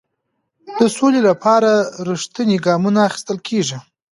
د سولې لپاره رښتیني ګامونه اخیستل کیږي.